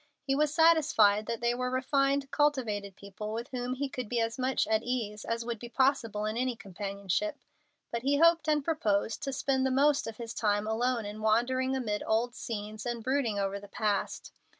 He was satisfied that they were refined, cultivated people, with whom he could be as much at ease as would be possible in any companionship, but he hoped and proposed to spend the most of his time alone in wandering amid old scenes and brooding over the past.